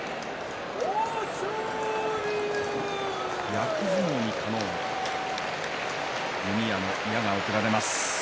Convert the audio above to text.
役相撲にかのう弓矢の矢が贈られます。